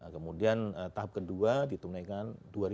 kemudian tahap kedua ditunaikan dua ribu dua puluh